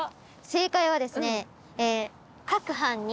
正解はですね。